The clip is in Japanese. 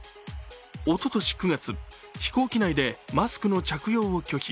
おととし９月、飛行機内でマスクの着用を拒否。